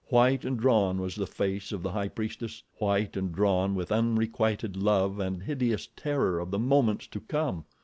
White and drawn was the face of the High Priestess—white and drawn with unrequited love and hideous terror of the moments to come.